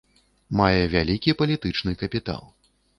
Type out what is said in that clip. Мае вялікі палітычны капітал.